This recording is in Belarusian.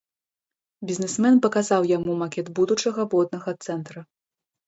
Бізнэсмен паказаў яму макет будучага воднага цэнтра.